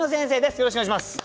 よろしくお願いします。